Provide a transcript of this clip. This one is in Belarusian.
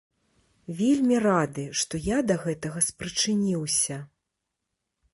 Вельмі рады, што я да гэтага спрычыніўся.